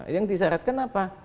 yang disyaratkan apa